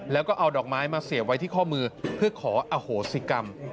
แล้วก็เอาดอกไม้มาเสียบไว้ที่ข้อมือเพื่อขออโหสิกรรม